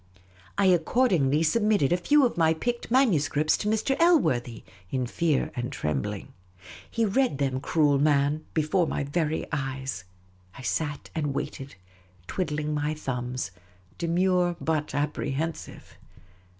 I accordingly submitted a few of my picked manuscripts to Mr. Elworthy, in fear and trembling. He read them, cruel man, before my very eyes ; I sat and waited, twiddling my thumbs, demure but apprehensive.